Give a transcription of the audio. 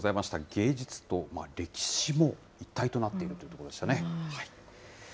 芸術と歴史も一体となっているということでしたね。